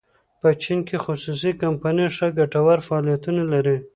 په چین کې خصوصي کمپنۍ ښه ګټور فعالیتونه لري.